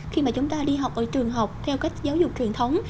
khi mà chúng ta đi học ở trường học theo cách giáo dục truyền thống